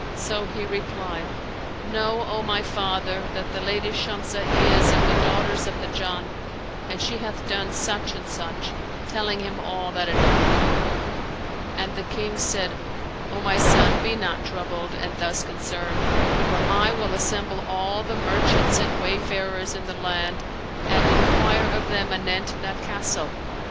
So he replied, 'Know, O my father, that the lady Shamsah is of the daughters of the Jann and she hath done such and such' (telling him all that had happened); and the King said, 'O my son, be not troubled and thus concerned, for I will assemble all the merchants and wayfarers in the land and enquire of them anent that castle.